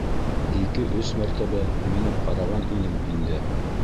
Ике-өс мәртәбә менеп ҡараған инем инде.